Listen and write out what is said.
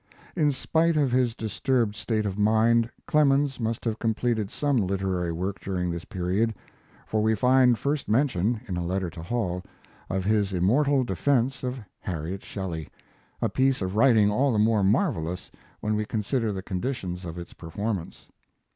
In spite of his disturbed state of mind Clemens must have completed some literary work during this period, for we find first mention, in a letter to Hall, of his immortal defense of Harriet Shelley, a piece of writing all the more marvelous when we consider the conditions of its performance.